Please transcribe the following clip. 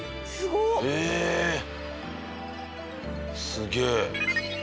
すげえ。